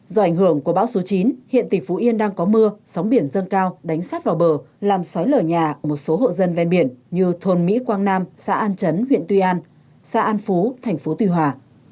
do ảnh hưởng của bão số chín hiện tỉnh phú yên đang có mưa sóng biển dâng cao đánh sát vào bờ làm sói lở nhà một số hộ dân ven biển như thôn mỹ quang nam xã an chấn huyện tuy an xã an phú thành phố tuy hòa